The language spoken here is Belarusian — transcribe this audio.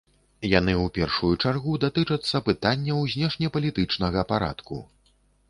Яны ў першую чаргу датычацца пытанняў знешнепалітычнага парадку.